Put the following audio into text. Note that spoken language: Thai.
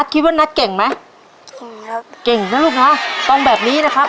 คิดว่านัทเก่งไหมเก่งครับเก่งนะลูกนะต้องแบบนี้นะครับ